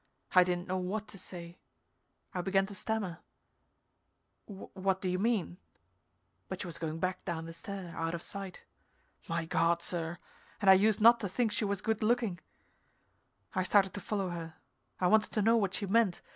I didn't know what to say. I began to stammer, "What do you mean " but she was going back down the stair, out of sight. My God sir, and I used not to think she was good looking! I started to follow her. I wanted to know what she meant.